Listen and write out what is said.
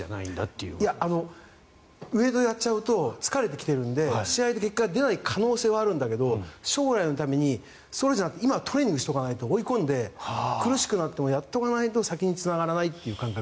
いやウェートをやっちゃうと疲れてきているので試合で結果が出ない可能性はあるんだけど将来のためにそうじゃなくて今トレーニングをしておかないと追い込んで苦しくなってやっておかないと先につながらないという感覚。